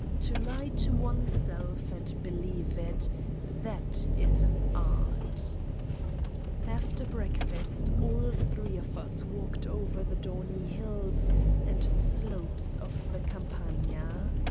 To lie to oneself and believe it that is an art ! After breakfast all three of us walked over the downy hills and slopes of the Campagna.